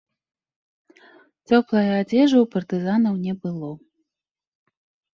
Цёплае адзежы ў партызанаў не было.